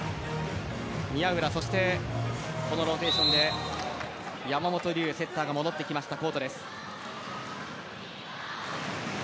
宮浦そしてこのローテーションで山本龍セッターが戻ってきましたコートです。